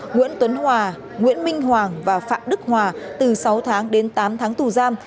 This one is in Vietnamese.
nguyễn tuấn hòa nguyễn minh hoàng và phạm đức hòa từ sáu tháng đến tám tháng tù giam